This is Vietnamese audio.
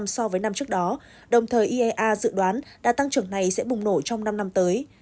so với năm trước đó đồng thời iea dự đoán đã tăng trưởng này sẽ bùng nổ trong năm năm tới